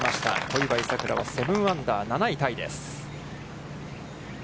小祝さくらは７アンダー、７位タイです。